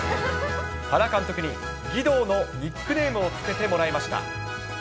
原監督にギドーのニックネームをつけてもらいました。